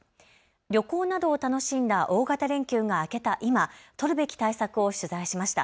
旅行などを楽しんだ大型連休が明けた今、取るべき対策を取材しました。